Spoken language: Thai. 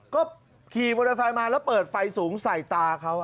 ก็ขี่มอเตอร์ไซค์มาแล้วเปิดไฟสูงใส่ตาเขา